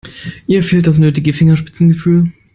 Ihr fehlt das nötige Fingerspitzengefühl.